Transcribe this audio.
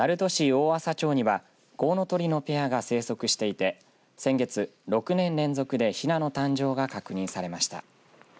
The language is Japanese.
大麻町にはコウノトリのペアが生息していて先月、６年連続でひなの誕生が確認されました。